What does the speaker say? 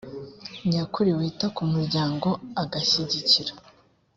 nyakuri wita ku muryango agashyigikira